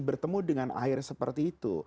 bertemu dengan air seperti itu